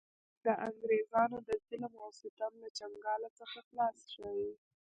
د انګرېزانو د ظلم او ستم له چنګاله څخه خلاص شـي.